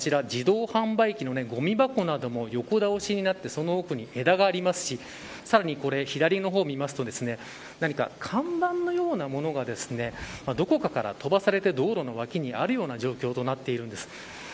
今、見てみますとあちら自動販売機のごみ箱なども、横倒しになってその奥に枝がありますしさらに、左の方を見ますと何か、看板のようなものがどこかから飛ばされて道路の脇にあるような状況となっているんです。